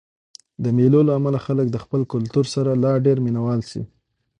د مېلو له امله خلک د خپل کلتور سره لا ډېر مینه وال سي.